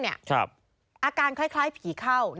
อาการคล้ายผีเข้า